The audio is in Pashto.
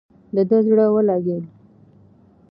د ده زړه ولګېد.